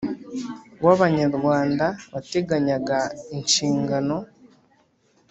Wa banyarwanda wateganyaga inshingano